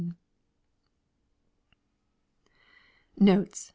Notes.